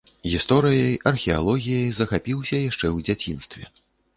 Гісторыяй, археалогіяй захапіўся яшчэ ў дзяцінстве.